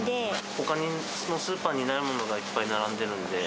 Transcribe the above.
ほかのスーパーにないものが、いっぱい並んでるんで。